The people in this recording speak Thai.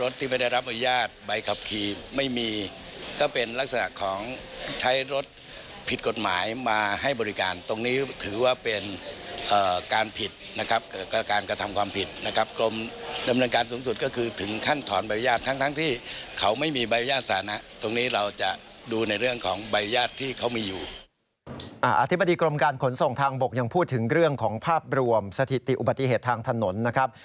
ธิบดีกรมการขนส่งทางบกยังพูดถึงเรื่องของภาพรวมสถิติอุบัติเหตุทางถนนนะครับ